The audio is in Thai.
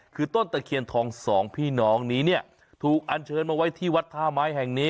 คือต้นตะเคียนทองสองพี่น้องนี้เนี่ยถูกอันเชิญมาไว้ที่วัดท่าไม้แห่งนี้